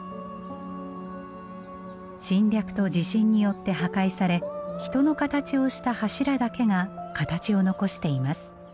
侵略と地震によって破壊され人の形をした柱だけが形を残しています。